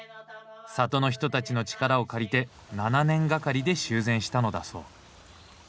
里の人たちの力を借りて７年がかりで修繕したのだそう。